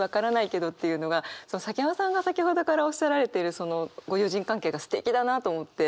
崎山さんが先程からおっしゃられてるそのご友人関係がすてきだなと思って。